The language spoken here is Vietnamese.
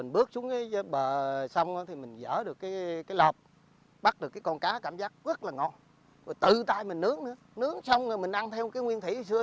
nướng xong rồi mình ăn theo cái nguyên thủy xưa